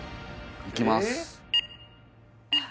いきます